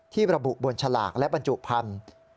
ระบุบนฉลากและบรรจุพันธุ์